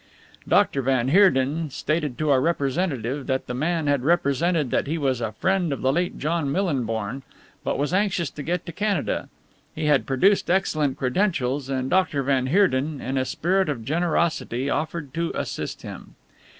"Dr. van Heerden stated to our representative that the man had represented that he was a friend of the late John Millinborn, but was anxious to get to Canada. He had produced excellent credentials, and Dr. van Heerden, in a spirit of generosity, offered to assist him.